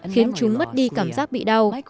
khiến chúng mất đi cảm giác bị đau